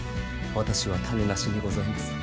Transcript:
私は種無しにございます！